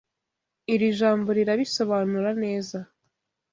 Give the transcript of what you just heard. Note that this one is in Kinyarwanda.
Iri jambo rirabisobanura neza.